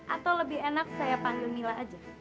atau lebih enak saya panggil mila aja